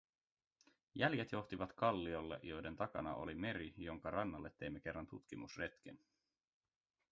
Jäljet johtivat kalloille, joiden takana oli meri, jonka rannalle teimme kerran tutkimusretken.